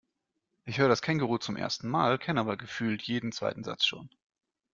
Ich höre das Känguruh zum ersten Mal, kenne aber gefühlt jeden zweiten Satz schon.